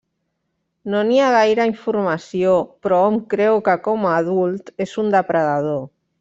No n'hi ha gaire informació, però hom creu que, com a adult, és un depredador.